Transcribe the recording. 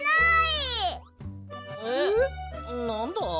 なんだ？